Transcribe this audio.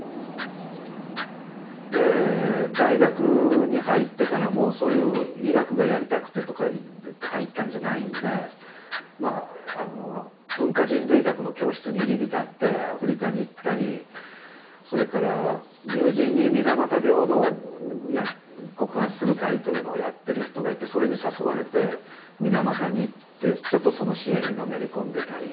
大学に入ってからもそういう医学がやりたくて入ったんじゃないんで文化人類学の教室に入り浸ってアフリカに行ったりそれから友人に水俣病の告発する会いうのをやってる人がいてそれに誘われて水俣に行ってちょっとその支援にのめりこんでたり。